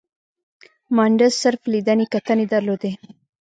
مانډس صرف لیدنې کتنې درلودې.